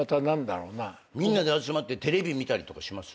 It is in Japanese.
みんなで集まってテレビ見たりとかします？